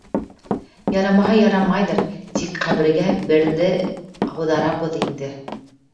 — Ярамаһа ярамайҙыр, тик ҡәбергә берҙе ауҙарабыҙ инде.